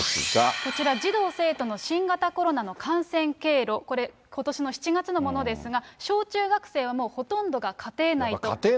こちら、児童・生徒の新型コロナの感染経路、これ、ことしの７月のものですが、小中学生はもう、ほとんどが家庭内と。